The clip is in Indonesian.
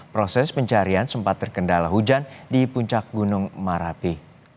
proses pencarian sempat terkendala hujan di puncak gunung marapi